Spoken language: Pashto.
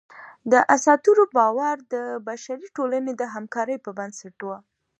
د اسطورو باور د بشري ټولنې د همکارۍ بنسټ و.